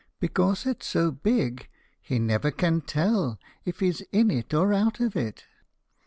Because it 's so big He never can tell if he's in it or out of it.